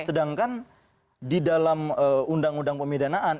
sedangkan di dalam undang undang pemidanaan